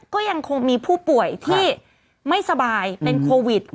ก็ยังคงมีผู้ป่วยที่ไม่สบายเป็นโควิด